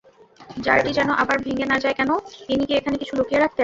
জারটি যেন আবার ভেংগে না যায় কেন, তিনি কি এখানে কিছু লুকিয়ে রাখতেন?